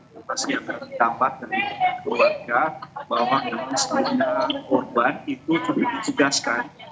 bahwa dengan kesempatan keluarga bahwa dalam kesempatan korban itu sudah dijegaskan